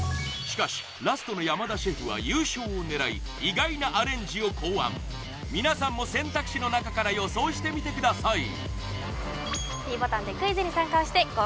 しかしラストの山田シェフは優勝を狙い意外なアレンジを考案皆さんも選択肢の中から予想してみてください